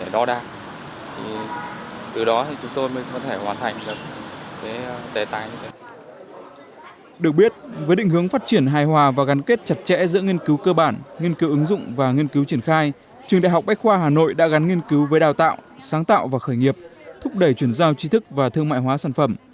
được biết với định hướng phát triển hài hòa và gắn kết chặt chẽ giữa nghiên cứu cơ bản nghiên cứu ứng dụng và nghiên cứu triển khai trường đại học bách khoa hà nội đã gắn nghiên cứu với đào tạo sáng tạo và khởi nghiệp thúc đẩy chuyển giao tri thức và thương mại hóa sản phẩm